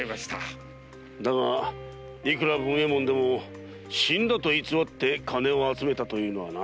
だがいくら文右衛門でも死んだと偽り金を集めたのはな。